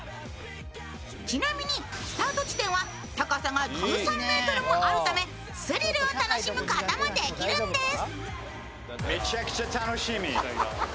ちなみに、スタート地点は高さが１３ｍもあるためスリルを楽しむこともできるんです。